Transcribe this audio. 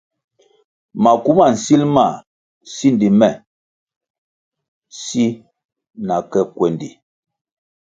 Maku ma nsil ma sindi me si na ke kwendi.